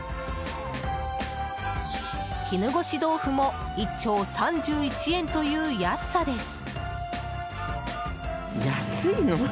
絹ごし豆腐も１丁３１円という安さです。